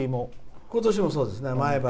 ことしもそうですね。